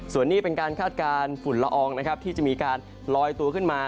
ส่วนนี้เป็นการคาดการณ์ฝุ่นละอองนะครับที่จะมีการลอยตัวขึ้นมา